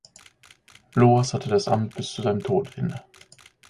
Loras hatte das Amt bis zu seinem Tod inne.